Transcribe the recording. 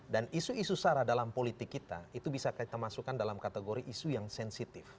dan isu isu sara dalam politik kita itu bisa kita masukkan dalam kategori isu yang sensitif